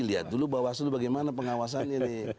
lihat dulu bawaslu bagaimana pengawasannya nih